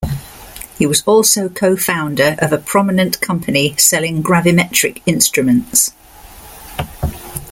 He was also co-founder of a prominent company selling gravimetric instruments.